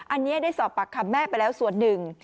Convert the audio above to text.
อันนี้ได้สอบปากคำแม่ไปแล้วส่วนหนึ่ง